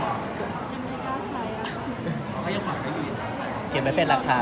อเรนนี่ว่าที่เต็มประกาศเหมือนกันนะครับ